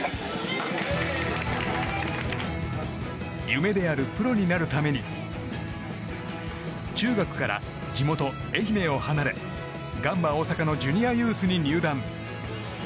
夢であるプロになるために中学から地元・愛媛を離れガンバ大阪のジュニアユースに入団。